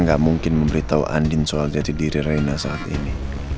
karena gak mungkin memberitahu andin soal jati diri reina saat ini